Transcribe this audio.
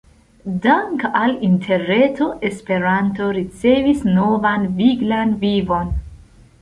Dank’ al Interreto Esperanto ricevis novan viglan vivon.